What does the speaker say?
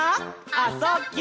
「あ・そ・ぎゅ」